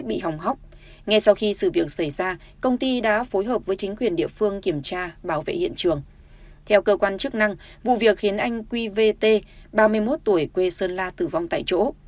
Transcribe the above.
theo cơ quan chức năng vụ việc khiến anh qvt ba mươi một tuổi quê sơn la tử vong tại chỗ